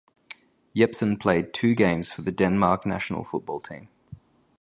Jepsen played two games for the Denmark national football team.